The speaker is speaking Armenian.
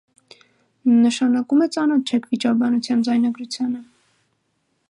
Նշանակում է` ծանոթ չեք վիճաբանության ձայնագրությանը: